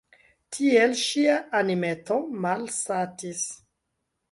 Tiel ŝia animeto malsatis.